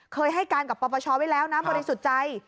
เคยให้การกับประประชาวิทย์ไว้แล้วนะบริสุทธิ์ใจ